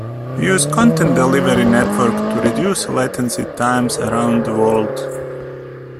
We use content delivery networks to reduce latency times around the world.